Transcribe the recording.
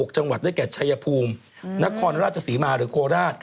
จังหวัดได้แก่ชัยภูมินครราชศรีมาหรือโคราช